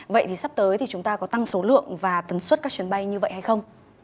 vậy thì sắp tới thì chúng ta có tăng số lượng và tấn suất các chuyến bay như vậy hay không